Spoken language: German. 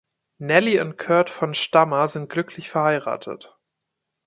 Nelly und Curt von Stammer sind glücklich verheiratet.